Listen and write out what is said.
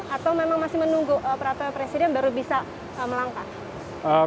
atau memang masih menunggu peraturan presiden baru bisa melangkah